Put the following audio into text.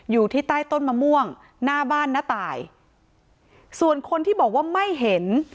อยู่ที่ใต้ต้นมะม่วงหน้าบ้านน้าตายส่วนคนที่บอกว่าไม่เห็น